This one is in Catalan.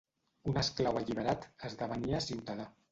Un esclau alliberat esdevenia ciutadà.